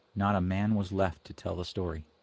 Not a man was left to tell the story. Mr.